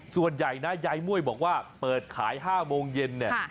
ส่วนใหญ่นะยายม่วยบอกว่าเปิดขาย๕โมงเย็นเนี่ย